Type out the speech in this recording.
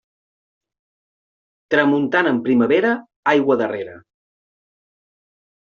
Tramuntana en primavera, aigua darrera.